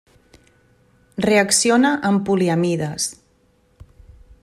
Reacciona amb poliamides.